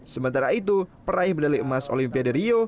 sementara itu peraih medali emas olimpiade rio